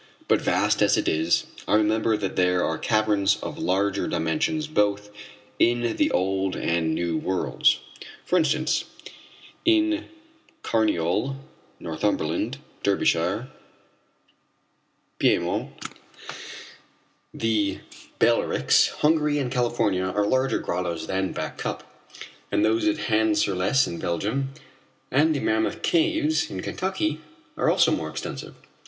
But vast as it is, I remember that there are caverns of larger dimensions both in the old and new worlds. For instance in Carniole, Northumberland, Derbyshire, Piedmont, the Balearics, Hungary and California are larger grottoes than Back Cup, and those at Han sur Lesse in Belgium, and the Mammoth Caves in Kentucky, are also more extensive.